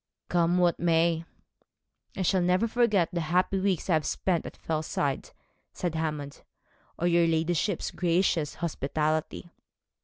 'Come what may, I shall never forget the happy weeks I have spent at Fellside,' said Hammond, 'or your ladyship's gracious hospitality.'